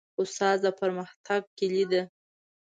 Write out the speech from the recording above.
استاد د پرمختګ کلۍ ده.